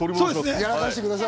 やらかしてください。